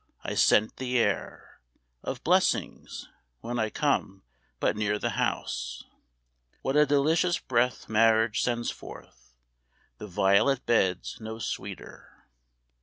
I scent the air Of blessings, when I came but near the house, What a delicious breath marriage sends forth The violet bed's no sweeter!